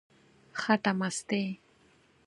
خټه مستې،